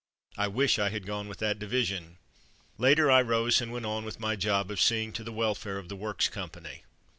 '^ I wish I had gone with that division." Later I rose and went on with my job of seeing to the welfare of the Works company.